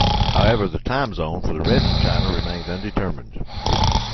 However, the timezone for rest of China remain undetermined.